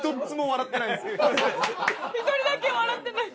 １人だけ笑ってない。